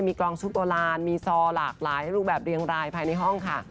มีกองชุดโบราณมีซอหลากหลายรูปแบบเรียงรายภายในห้องค่ะ